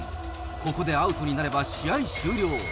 ここでアウトになれば試合終了。